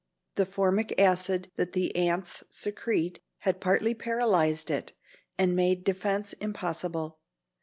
The formic acid that the ants secrete had partly paralyzed it and made defence impossible.